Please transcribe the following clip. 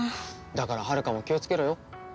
だからはるかも気をつけろよ。